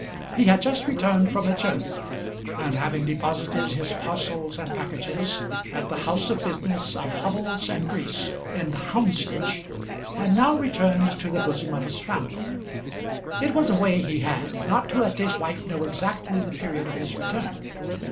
He had just returned from a journey, and having deposited his parcels and packages at the house of business of Hubbles and Grease in Houndsditch, had now returned to the bosom of his family. It was a way he had, not to let his wife know exactly the period of his return.